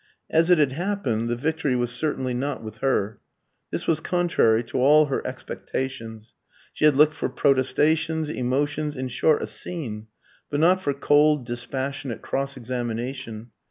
As it had happened, the victory was certainly not with her. This was contrary to all her expectations. She had looked for protestations, emotions in short, a scene; but not for cold, dispassionate cross examination.